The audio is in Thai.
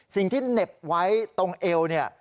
สิ่งที่เหน็บไว้ตรงเอวเนี่ย